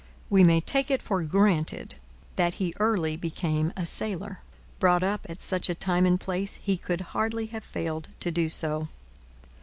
We may take it for granted that he early became a sailor. Brought up at such a time and place, he could hardly have failed to do so.